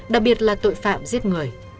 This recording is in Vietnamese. đặc biệt là tội phạm giết người